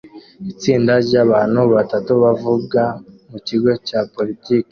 Itsinda ryabantu batatu bavuga mu kigo cya politiki